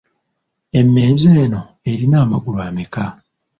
Emmeeza eno erina amagulu ameka?